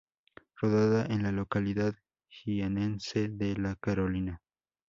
Rodada en la localidad jienense de La Carolina.